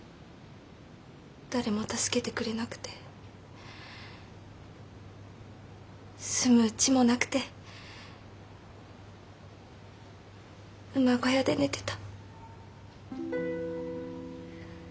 誰も助けてくれなくて住むうちもなくて馬小屋で寝てた。